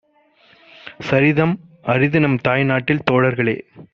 சரிதம் அரிதுநம் தாய்நாட்டில் தோழர்களே!